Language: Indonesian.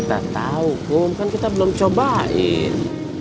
tahu kum kan kita belum cobain